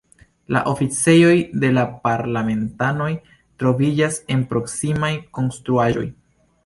La oficejoj de la parlamentanoj troviĝas en proksimaj konstruaĵoj.